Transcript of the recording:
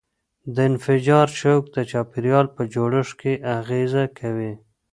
د انفجار شوک د چاپیریال په جوړښت اغېزه کوي.